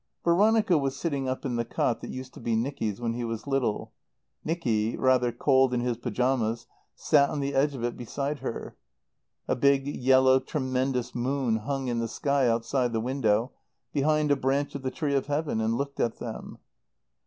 Veronica was sitting up in the cot that used to be Nicky's when he was little. Nicky, rather cold in his pyjamas, sat on the edge of it beside her. A big, yellow, tremendous moon hung in the sky outside the window, behind a branch of the tree of Heaven, and looked at them.